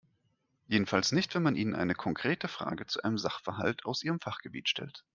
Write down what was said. Jedenfalls nicht, wenn man ihnen eine konkrete Frage zu einem Sachverhalt aus ihrem Fachgebiet stellt.